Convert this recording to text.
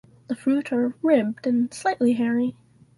The fruit are ribbed and slightly hairy.